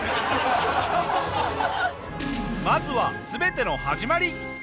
まずは全ての始まり